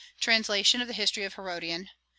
'Translation of the History of Herodian.